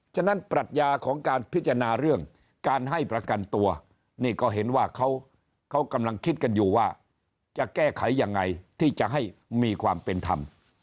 ฉะนั้นปรัชญาของการพิจารณาเรื่องการให้ประกันตัวนี่ก็เห็นว่าเขากำลังคิดกันอยู่ว่าจะแก้ไขยังไงที่จะให้มีความเป็นธรรม